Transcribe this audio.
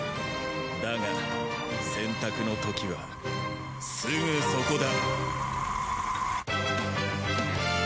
だが選択の時はすぐそこだ。